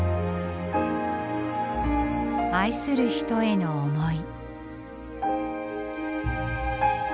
愛する人への思い。